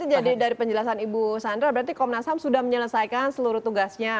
itu jadi dari penjelasan ibu sandra berarti komnas ham sudah menyelesaikan seluruh tugasnya